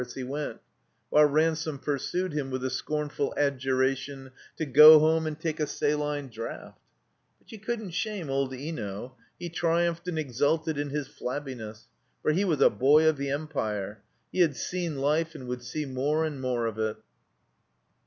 '' as he went, while Ransome pursued him with the scornful adjuration to ''Go home and take a saline draught!" But you couldn't shame old Eno. He triumphed and exulted in his flabbiness. For he was a Boy of the Empire. He had seen Life, and would see more and more of it.